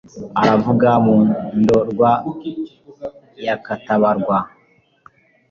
aravuga mu ndorwa ya katabarwa